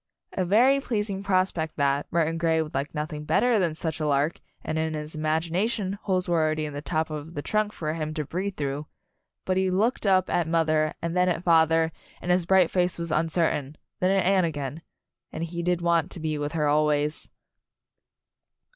A very pleasing prospect that Murton Grey would like nothing better than such a lark, and in his imagination holes were already in the top of the trunk for him to breathe through but he looked up at mother, and then at father, and his bright face was uncertain ; then at Anne again and he did want to be with her always.